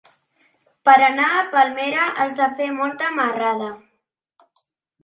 Per anar a Palmera has de fer molta marrada.